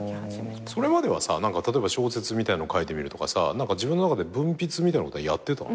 それまでは例えば小説みたいの書いてみるとか自分の中で文筆みたいなことはやってたの？